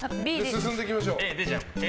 進んでいきましょう。